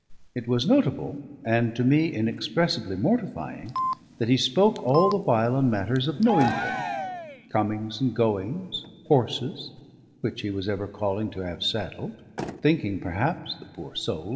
It was notable, and to me inexpressibly mortifying, that he spoke all the while on matters of no import: comings and goings, horses which he was ever calling to have saddled, thinking perhaps (the poor soul!)